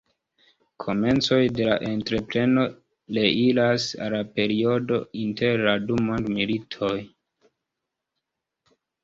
Komencoj de la entrepreno reiras al la periodo inter la du mondmilitoj.